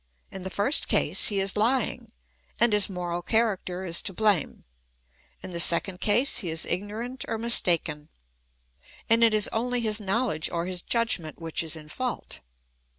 In the first case he is lying, and his moral character is to blame ; in the second case he is ignorant or mistaken, and it is only his knowledge or his judg ment which is in fault.